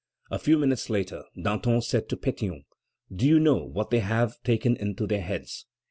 A few minutes later, Danton said to Pétion: "Do you know what they have taken into their heads?